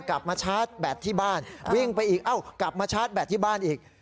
มาชาร์จแบตที่บ้านวิ่งไปอีกเอ้ากลับมาชาร์จแบตที่บ้านอีก